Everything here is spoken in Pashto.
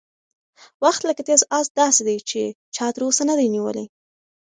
وخت لکه تېز اس داسې دی چې چا تر اوسه نه دی نیولی.